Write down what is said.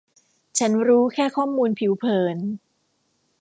ฉันรู้แค่ข้อมูลผิวเผิน